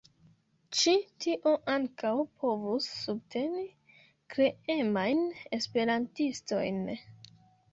Ĉi tio ankaŭ povus subteni kreemajn esperantistojn.